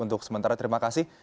untuk sementara terima kasih